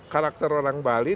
karakter orang bali